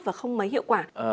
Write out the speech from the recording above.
và không mấy hiệu quả